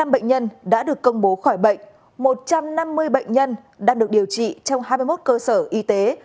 một mươi bệnh nhân đã được công bố khỏi bệnh một trăm năm mươi bệnh nhân đang được điều trị trong hai mươi một cơ sở y tế